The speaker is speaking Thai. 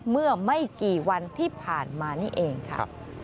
เมื่อไม่กี่วันที่ผ่านมานี่เองค่ะ